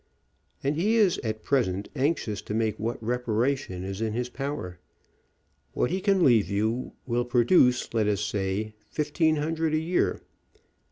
"And he is at present anxious to make what reparation is in his power. What he can leave you will produce, let us say, fifteen hundred a year.